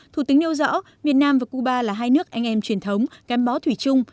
thủ tướng nêu rõ việt nam và cuba là hai nước anh em truyền thống gắn bó thủy chung